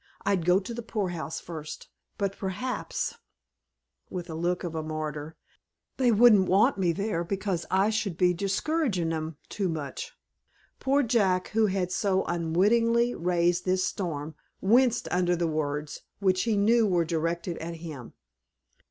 I'd go to the poor house first, but perhaps," with the look of a martyr, "they wouldn't want me there, because I should be discouragin' 'em too much." Poor Jack, who had so unwittingly raised this storm, winced under the words, which he knew were directed at him.